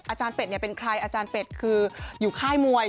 เป็ดเป็นใครอาจารย์เป็ดคืออยู่ค่ายมวย